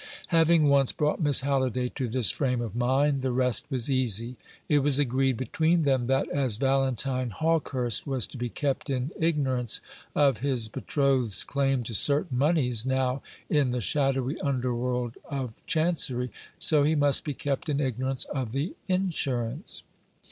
Having once brought Miss Halliday to this frame of mind, the rest was easy. It was agreed between them that as Valentine Hawkehurst was to be kept in ignorance of his betrothed's claim to certain moneys now in the shadowy under world of Chancery, so he must be kept in ignorance of the insurance.